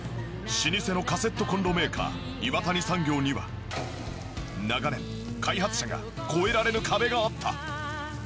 老舗のカセットコンロメーカー岩谷産業には長年開発者が越えられぬ壁があった。